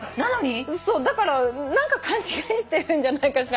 だから勘違いしてるんじゃないかしら